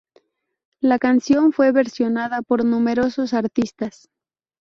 La canción fue versionada por numerosos artistas.